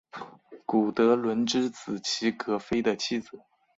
古德伦之子齐格菲的妻子。